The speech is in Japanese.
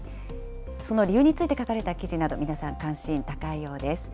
その理由について書かれた記事など皆さん関心高いようです。